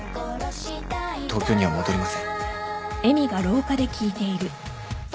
東京には戻りません。